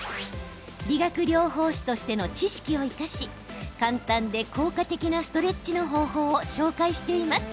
理学療法士としての知識を生かし簡単で効果的なストレッチの方法を紹介しています。